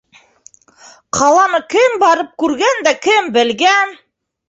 Ҡаланы кем барып күргән дә кем белгән!